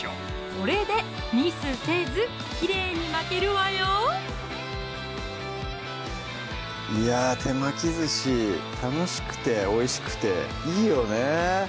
これでミスせずきれいに巻けるわよいや手巻き寿司楽しくておいしくていいよね